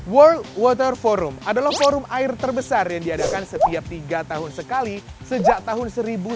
world water forum adalah forum air terbesar yang diadakan setiap tiga tahun sekali sejak tahun seribu sembilan ratus sembilan puluh